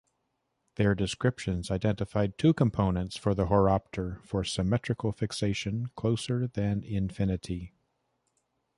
Their descriptions identified two components for the horopter for symmetrical fixation closer than infinity.